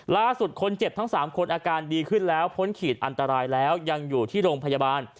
ล่าสุดคนเจ็บทั้ง๓คนอาการดีขึ้นแล้วพ้นขีดอันตรายแล้วยังอยู่ที่โรงพยาบาล